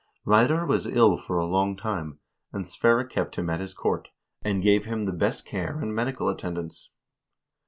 Reidar was ill for a long time, and Sverre kept him at his court, and gave him the best care and medical attend ance.